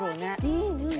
うんうん